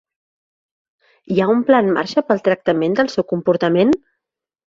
Hi ha un pla en marxa pel tractament del seu comportament?